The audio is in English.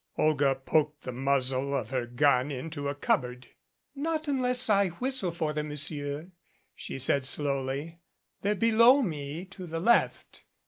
Olga poked the muzzle of her gun into a cupboard. "Not unless I whistle for them, Monsieur," she said slowly. "They're below me to the left.